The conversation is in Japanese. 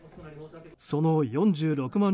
その４６万